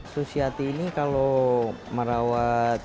susiati ini kalau merawat